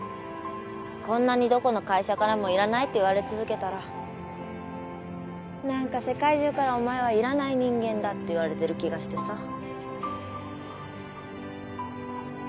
こんなにどこの会社からもいらないって言われ続けたら何か世界中からお前はいらない人間だって言われてる気がしてさ。